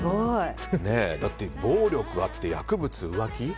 だって暴力があって薬物、浮気？